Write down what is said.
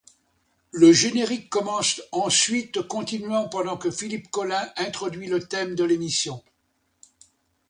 Le générique commence ensuite, continuant pendant que Philippe Collin introduit le thème de l'émission.